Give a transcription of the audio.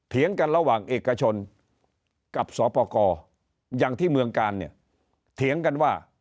เถียงกันระหว่างเอกชนกับสอปกรอย่างที่เมืองการเถียงกันว่า